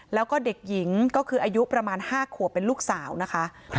แล้วก็เด็กหญิงก็คืออายุประมาณ๕ขวบเป็นลูกสาวนะคะ